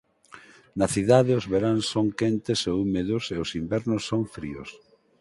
Na cidade os veráns son quentes e húmidos e os invernos son fríos.